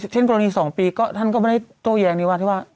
เช่นปรณี๒ปีก็ท่านก็ไม่ได้โต้แยงดีกว่า